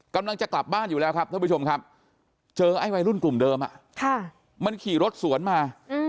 กำลังจะกลับบ้านอยู่แล้วครับท่านผู้ชมครับเจอไอ้วัยรุ่นกลุ่มเดิมมันขี่รถสวนมา